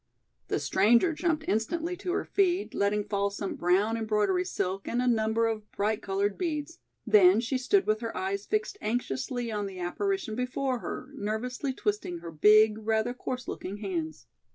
The stranger jumped instantly to her feet, letting fall some brown embroidery silk and a number of bright colored beads, then she stood with her eyes fixed anxiously on the apparition before her, nervously twisting her big, rather coarse looking hands.